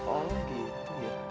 oh gitu ya